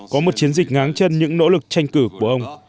có một chiến dịch ngáng chân những nỗ lực tranh cử của ông